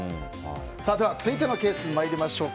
続いてのケースに参りましょう。